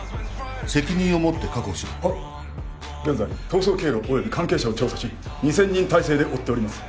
現在逃走経路および関係者を調査し２，０００人体制で追っております。